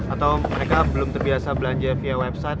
atau mereka belum terbiasa belanja via website